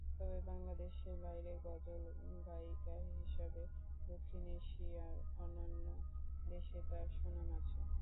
তবে বাংলাদেশের বাইরে গজল গায়িকা হিসাবে দক্ষিণ এশিয়ার অন্যান্য দেশে তার সুনাম আছে।